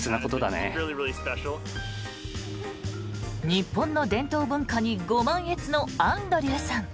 日本の伝統文化にご満悦のアンドリューさん。